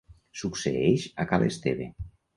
Succeeix a ca l'Esteve.